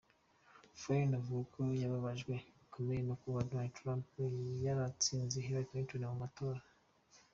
Flynt avuga ko yababajwe bikomeye no kuba Donald Trump yaratsinze Hillary Clinton mu matora.